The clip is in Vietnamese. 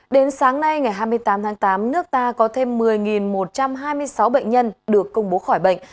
đến sáng nay ngày hai mươi tám tháng tám nước ta có thêm một mươi một trăm hai mươi sáu bệnh nhân được công bố khỏi bệnh